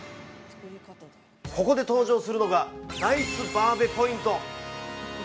ここで登場するのがナイスバーべポイント！